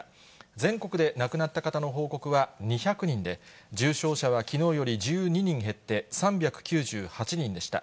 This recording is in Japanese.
全国で亡くなった方の報告は２００人で、重症者はきのうより１２人減って３９８人でした。